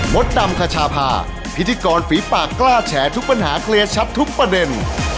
ดำคชาพาพิธีกรฝีปากกล้าแฉทุกปัญหาเคลียร์ชัดทุกประเด็น